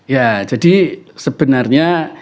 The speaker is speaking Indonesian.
ya jadi sebenarnya